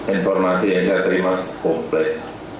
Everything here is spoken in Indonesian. informasi yang saya terima komplek